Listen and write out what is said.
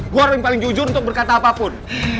gue orang yang paling jujur untuk berkata apapun